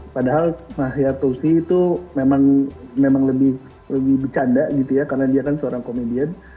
padahal mah yatosi itu memang lebih bercanda gitu ya karena dia kan seorang komedian